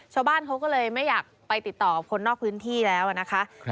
ชาวบ้านเขาก็เลยไม่อยากไปติดต่อคนนอกพื้นที่แล้วนะคะ